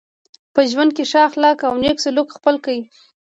په ژوند کي ښه اخلاق او نېک سلوک خپل کئ.